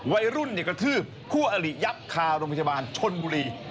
วัยรุ่นกระทืบคู่อลิยับคาโรงพยาบาลชนบุรี